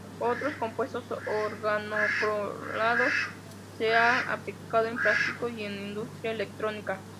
Otros compuestos organoclorados se han aplicado en plástico y en la industria electrónica.